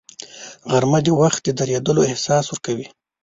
غرمه د وخت د درېدلو احساس ورکوي